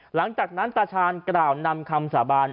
หลังจากนั้นตาชาญกล่าวนำคำสาบาน